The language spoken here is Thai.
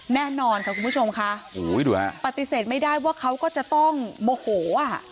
แน่นอนค่ะคุณผู้ชมค่ะปฏิเสธไม่ได้ว่าเขาก็จะต้องโมโหอ่ะ